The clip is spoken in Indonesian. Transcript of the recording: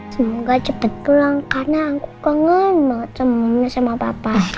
semoga cepat pulang karena aku kangen banget temennya sama papa